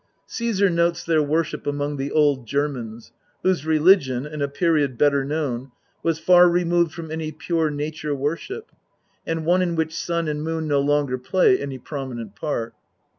Caesar notes their worship among the old Germans, whose religion, in a period better known, was far removed from any. pure nature worship, and one in which Sun and Moon no longer play any prominent part.